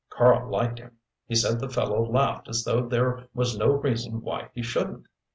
Karl liked him; he said the fellow laughed as though there was no reason why he shouldn't.